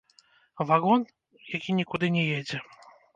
Вагон, які нікуды не едзе.